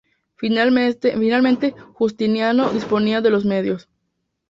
Finalmente, Justiniano disponía de los medios.